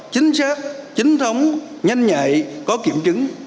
chính xác chính thống nhanh nhạy có kiểm chứng